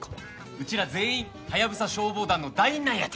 うちら全員ハヤブサ消防団の団員なんやて。